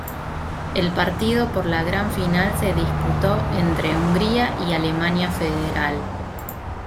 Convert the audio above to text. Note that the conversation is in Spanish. El partido por la gran final se disputó entre Hungría y Alemania Federal.